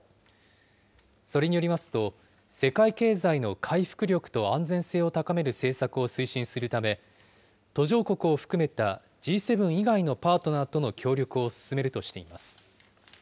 それによりますと、世界経済の回復力と安全性を高める政策を推進するため、途上国を含めたＧ７以外のパートナーとの協力を進めるとしています。